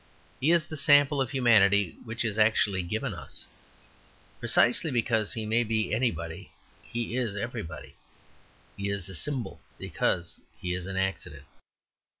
He is the sample of humanity which is actually given us. Precisely because he may be anybody he is everybody. He is a symbol because he is an accident.